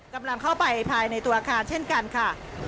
กำลังเข้าไปภายในตัวอาคารเช่นกันค่ะ